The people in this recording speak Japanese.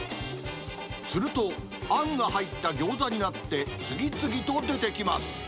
すると、あんが入ったギョーザになって、次々と出てきます。